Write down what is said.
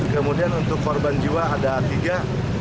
kemudian untuk korban jiwa ada tiga